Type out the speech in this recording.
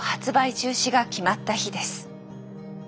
中止が決まった日です。